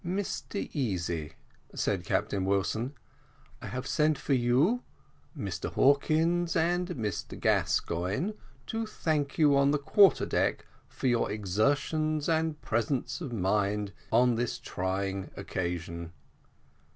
"Mr Easy," said Captain Wilson, "I have sent for you, Mr Hawkins, and Mr Gascoigne, to thank you on the quarter deck, for your exertions and presence of mind on this trying occasion."